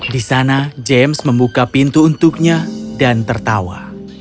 di sana james membuka pintu untuknya dan tertawa